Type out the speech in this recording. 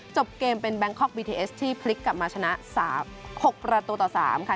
จบเกมเป็นแบงคอกบีทีเอสที่พลิกกลับมาชนะ๓๖ประตูต่อ๓ค่ะ